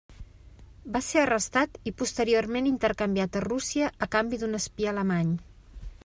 Va ser arrestat i posteriorment intercanviat a Rússia a canvi d'un espia alemany.